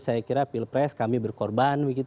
saya kira pilpres kami berkorban